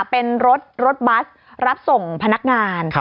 เป็นรถบัสรับส่งพนักงาน